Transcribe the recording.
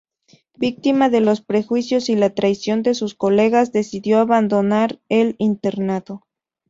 Víctima de los prejuicios y la traición de sus colegas, decidió abandonar el internado.